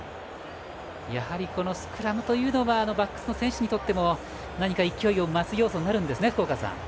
やはりスクラムというのはバックスの選手にとっても勢いを増す要素になるんですね福岡さん。